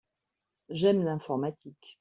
J'aime l'informatique.